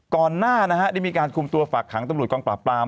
ก่อนหน้านะฮะได้มีการคุมตัวฝากขังตำรวจกองปราบปราม